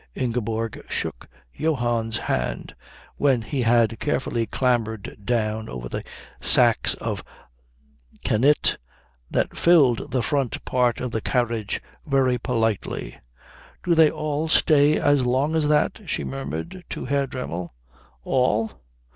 Ingeborg shook Johann's hand, when he had carefully clambered down over the sacks of kainit that filled the front part of the carriage, very politely. "Do they all stay as long as that?" she murmured to Herr Dremmel. "All?